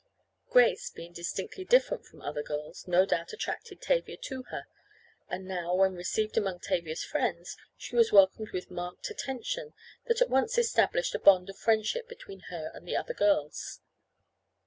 Grace, being distinctly different from other girls, no doubt attracted Tavia to her, and now, when received among Tavia's friends she was welcomed with marked attention that at once established a bond of friendship between her and the other girls.